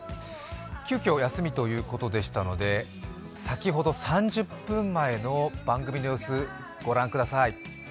急きょ休みということでしたので、先ほど３０分前の番組の様子御覧ください。